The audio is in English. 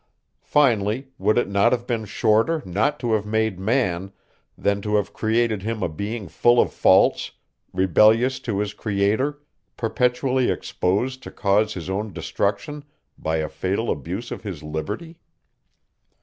Finally, would it not have been shorter not to have made man, than to have created him a being full of faults, rebellious to his creator, perpetually exposed to cause his own destruction by a fatal abuse of his liberty?